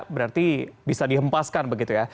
berarti bisa dihempaskan begitu ya